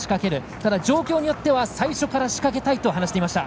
ただ、状況によっては最初から仕掛けたいと話していました。